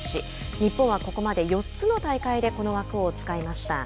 日本はここまで４つの大会でこの枠を使いました。